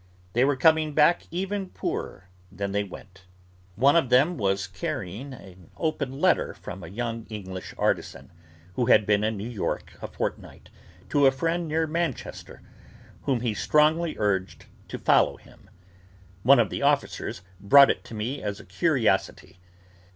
They were coming back, even poorer than they went. One of them was carrying an open letter from a young English artisan, who had been in New York a fortnight, to a friend near Manchester, whom he strongly urged to follow him. One of the officers brought it to me as a curiosity.